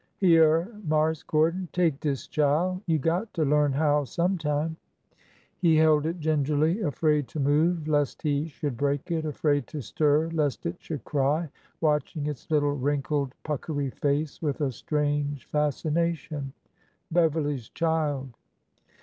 Hyeah, Marse Gordon, take dis chile ! You got to learn how sometime !" He held it gingerly, afraid to move lest he should break it, afraid to stir lest it should cry, watching its little wrinkled, puckery face with a strange fascination. Beverly's child!